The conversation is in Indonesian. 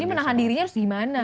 jadi menahan dirinya harus gimana